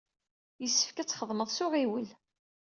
Yessefk ad txedmeḍ s uɣiwel.